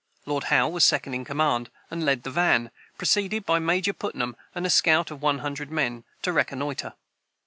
Lord Howe was second in command, and led the van, preceded by Major Putnam and a scout of one hundred men, to reconnoitre.